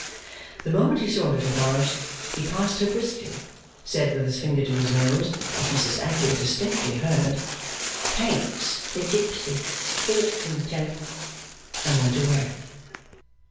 The moment he saw Little Dorrit, he passed her briskly, said with his finger to his nose (as Mrs Affery distinctly heard), 'Pancks the gipsy, fortune telling,' and went away.